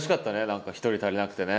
何か１人足りなくてね。